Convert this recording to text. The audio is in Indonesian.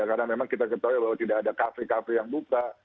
karena memang kita ketahui bahwa tidak ada kafe kafe yang buka